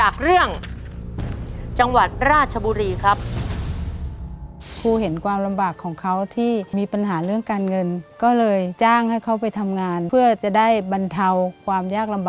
คุณยายพร้อม